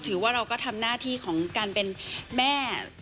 ถือว่าเราก็ทำหน้าที่ของการเป็นแม่